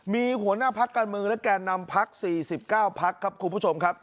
มีหัวหน้าพักการเมืองและแก่นำพัก๔๙พักครับคุณผู้ชมครับ